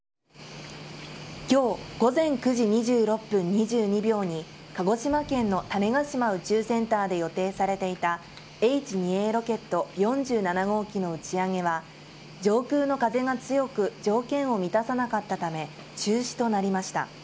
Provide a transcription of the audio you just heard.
きょう午前９時２６分２２秒に鹿児島県の種子島宇宙センターで予定されていたＨ２Ａロケット４７号機の打ち上げは、上空の風が強く、条件を満たさなかったため、中止となりました。